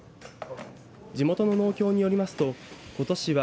地元の農協によりますとことしは